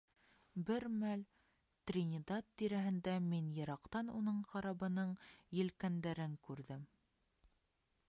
Бер мәл Тринидад тирәһендә мин йыраҡтан уның карабының елкәндәрен күрҙем.